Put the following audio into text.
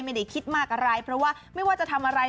ไม่ได้คิดมากอะไรเพราะว่าไม่ว่าจะทำอะไร